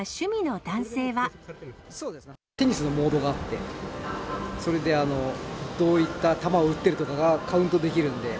テニスのモードがあって、それでどういった球を打っているのかがカウントできるんで。